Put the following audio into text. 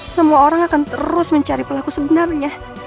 semua orang akan terus mencari pelaku sebenarnya